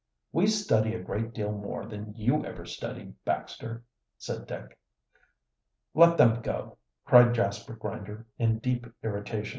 "We study a great deal more than you ever studied, Baxter," said Dick. "Let them go," cried Jasper Grinder, in deep irritation.